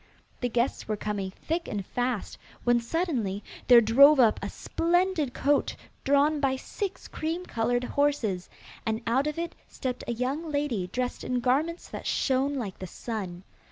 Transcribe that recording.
The guests were coming thick and fast, when suddenly there drove up a splendid coach drawn by six cream coloured horses, and out of it stepped a young lady dressed in garments that shone like the sun.